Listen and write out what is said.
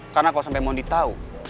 karena kalo sampe moni tau